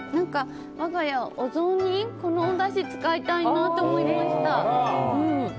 我が家のお雑煮にこのおだし、使いたいなって思いました。